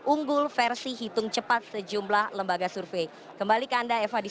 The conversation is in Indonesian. unggul versi hitung cepat sejauh ini